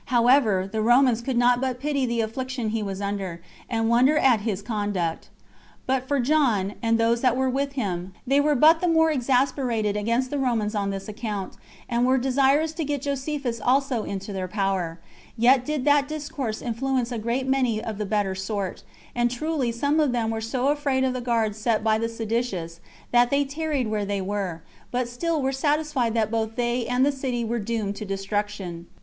However, the Romans could not but pity the affliction he was under, and wonder at his conduct. But for John, and those that were with him, they were but the more exasperated against the Romans on this account, and were desirous to get Josephus also into their power: yet did that discourse influence a great many of the better sort; and truly some of them were so afraid of the guards set by the seditious, that they tarried where they were, but still were satisfied that both they and the city were doomed to destruction.